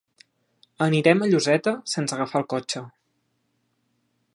Anirem a Lloseta sense agafar el cotxe.